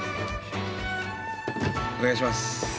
お願いします。